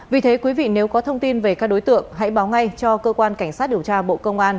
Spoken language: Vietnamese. vì thế quý vị nếu có thông tin về các đối tượng hãy báo ngay cho cơ quan cảnh sát điều tra bộ công an